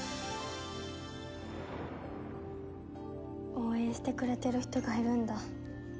応援してくれてる人がいるんだ。